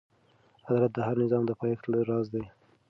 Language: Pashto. عدالت د هر نظام د پایښت راز دی.